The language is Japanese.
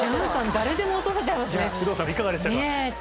誰でも落とせちゃいますね。